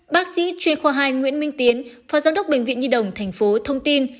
bác sĩ truyền khoa hai nguyễn minh tiến phó giám đốc bệnh viện nhi đồng thành phố thông tin